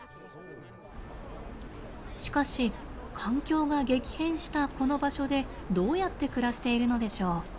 しかし環境が激変したこの場所でどうやって暮らしているのでしょう？